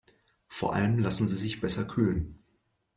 Vor allem lassen sie sich besser kühlen.